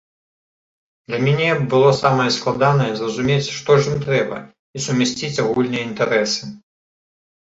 Для мяне было самае складанае зразумець, што ж ім трэба, і сумясціць агульныя інтарэсы.